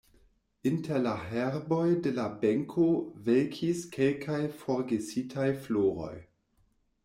Inter la herboj de la benko velkis kelkaj forgesitaj floroj.